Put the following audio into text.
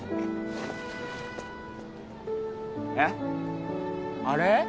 えっ？あれ？